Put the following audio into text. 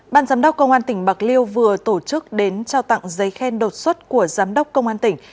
ban giám đốc công an tỉnh bạc liêu vừa tổ chức đến trao tặng giấy khen đột xuất của giám đốc công an tỉnh